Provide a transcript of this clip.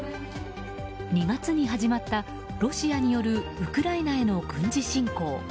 ２月に始まった、ロシアによるウクライナへの軍事侵攻。